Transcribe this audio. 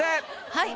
はい。